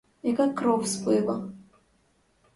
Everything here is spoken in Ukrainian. Яка кров з пива?